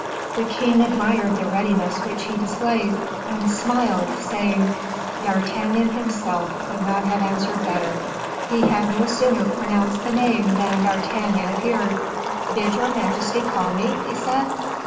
The king admired the readiness which he displayed, and smiled, saying: "D'Artagnan himself could not have answered better." He had no sooner pronounced the name than D'Artagnan appeared. "Did your majesty call me?" he said.